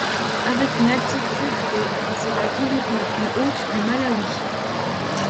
Avec une altitude de c'est la ville la plus haute du Malawi.